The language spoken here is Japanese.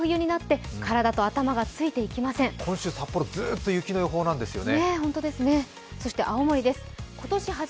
今週、札幌、ずっと雪の予報なんですよね。